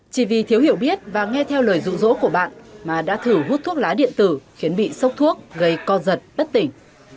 chỉ vì thiếu hiểu biết và nghe theo lời rụ rỗ của bạn mà đã thử hút thuốc lá điện tử khiến bị sốc thuốc gây co giật bất tỉnh